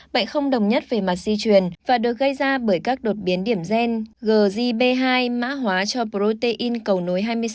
bệnh không đồng nhất về mặt di truyền và được gây ra bởi các đột biến điểm gen gb hai mã hóa cho protein cầu nối hai mươi sáu